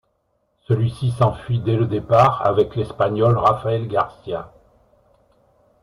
Celui-ci s'enfuit dès le départ avec l'Espagnol Rafael García.